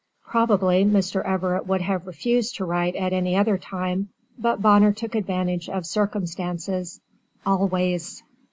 Probably Mr. Everett would have refused to write at any other time, but Bonner took advantage of circumstances ALWAYS.